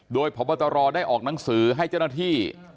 โดยพบตรได้ออกหนังสือให้เจ้าหน้าที่